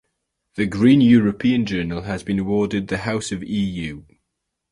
The Green European Journal has been awarded the House of eu.